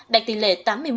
đạt tỷ lệ tám mươi một